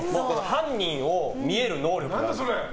犯人を見える能力があるんです。